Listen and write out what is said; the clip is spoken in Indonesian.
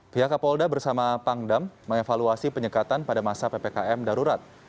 pihak kapolda bersama pangdam mengevaluasi penyekatan pada masa ppkm darurat